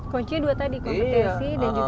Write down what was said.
kunci dua tadi kompetensi dan juga prestasi